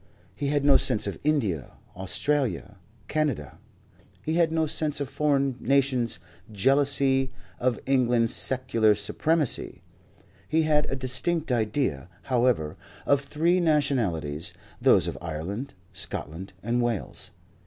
He had no sense of India, Australia, Canada. He had no sense of foreign nations' jealousy of England's secular supremacy. He had a distinct idea, however, of three nationalities; those of Ireland, Scotland and Wales.